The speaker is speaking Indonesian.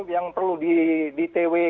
yang perlu di tw